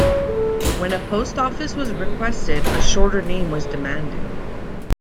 When a post office was requested a shorter name was demanded.